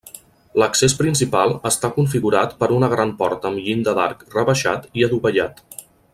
L'accés principal està configurat per una gran porta amb llinda d'arc rebaixat i adovellat.